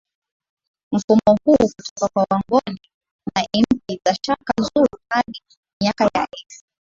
mfumo huu kutoka kwa Wangoni na impi za Shaka ZuluHadi miaka ya elfu